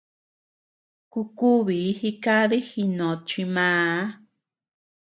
Kukubii jikadi jinót chi màà.